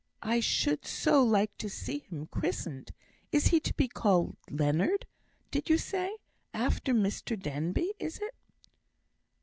I should so like to see him christened; is he to be called Leonard, did you say? After Mr Denbigh, is it?"